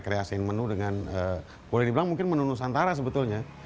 saya kreasiin menu dengan boleh dibilang menu nusantara sebetulnya